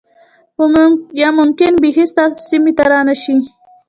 یا ممکن بیخی ستاسو سیمې ته را نشي